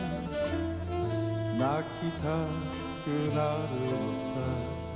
「泣きたくなるのさ